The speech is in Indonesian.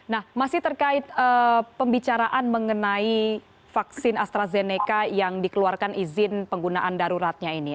nah masih terkait pembicaraan mengenai vaksin astrazeneca yang dikeluarkan izin penggunaan daruratnya ini